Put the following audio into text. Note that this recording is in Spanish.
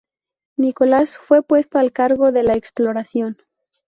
Nicolás fue puesto al cargo de la exploración.